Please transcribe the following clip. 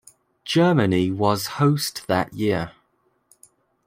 Germany was host that year.